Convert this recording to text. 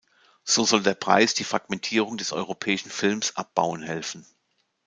So soll der Preis die Fragmentierung des europäischen Films abbauen helfen.